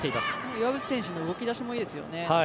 岩渕選手の動き出しもいいですよね。